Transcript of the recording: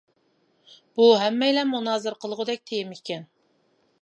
بۇ ھەممەيلەن مۇنازىرە قىلغۇدەك تېما ئىكەن.